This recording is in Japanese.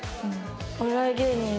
お笑い芸人さん